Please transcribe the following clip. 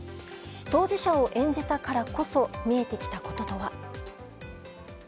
当事者を演じたからこそ見えてきたこととは。